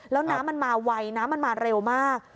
แล้วน้ำมันมาไวน้ำมันมาเร็วมาก